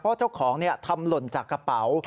เพราะเจ้าของทำหล่นจากกระเป๋า